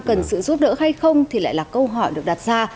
cần sự giúp đỡ hay không thì lại là câu hỏi được đặt ra